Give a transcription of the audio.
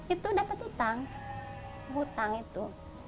itu dapat utang utang itu